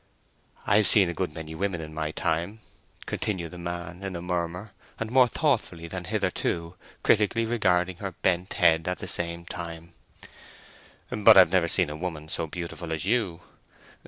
"I've seen a good many women in my time," continued the young man in a murmur, and more thoughtfully than hitherto, critically regarding her bent head at the same time; "but I've never seen a woman so beautiful as you.